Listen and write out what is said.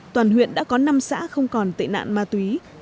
toàn huyện đã có năm xã không còn tệ nạn ma túy